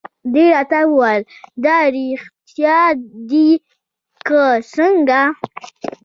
دې راته وویل: دا رېښتیا دي که څنګه؟